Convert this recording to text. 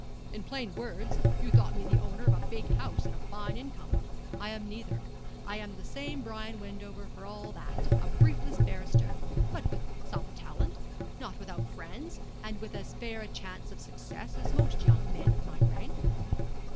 'In plain words, you thought me the owner of a big house and a fine income. I am neither; but I am the same Brian Wendover, for all that a briefless barrister, but with some talent; not without friends; and with as fair a chance of success as most young men of my rank.'